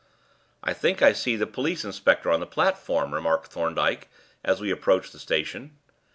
"I think I see the police inspector on the platform," remarked Thorndyke, as we approached the station.